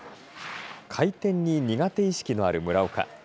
回転に苦手意識のある村岡。